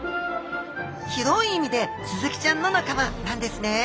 広い意味でスズキちゃんの仲間なんですね。